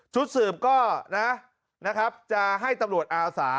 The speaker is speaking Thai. สืบก็นะครับจะให้ตำรวจอาสา